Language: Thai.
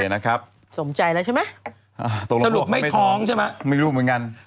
สรุปไม่ท้องใช่ไหมไม่รู้เหมือนกัน